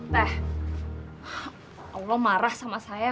teh allah marah sama saya